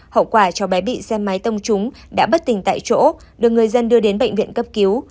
hậu quả cháu bé bị xe máy tông trúng đã bất tỉnh tại chỗ được người dân đưa đến bệnh viện cấp cứu